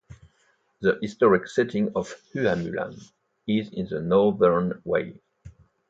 The historic setting of Hua Mulan is in the Northern Wei.